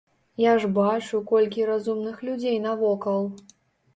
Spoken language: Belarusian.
Я ж бачу, колькі разумных людзей навокал.